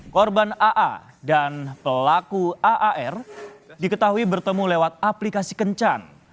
korban aa dan pelaku aar diketahui bertemu lewat aplikasi kencan